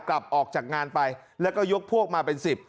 กลับออกจากงานไปแล้วก็ยกพวกมาเป็นสิบ